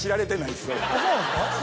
あっそうなんですか？